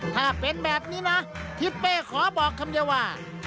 ถ้าเป็นแบบนี้นะพิเฟ่ขอบอกคำเยาว่า